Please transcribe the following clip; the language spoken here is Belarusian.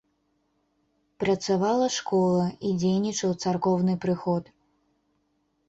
Працавала школа і дзейнічаў царкоўны прыход.